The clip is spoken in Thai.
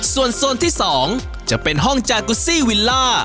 ส่วนโซนที่๒จะเป็นห้องจากุซี่วิลล่า